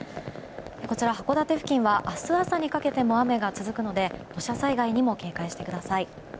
こちら、函館付近は明日朝にかけても雨が続くので土砂災害にも警戒してください。